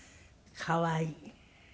可愛い。